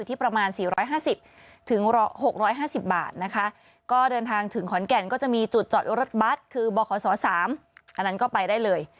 ที่เต็ม๓อันนั้นก็ไปได้เลย